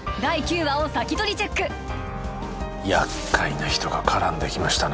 やっかいな人が絡んできましたね